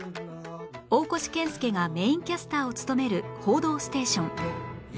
大越健介がメインキャスターを務める『報道ステーション』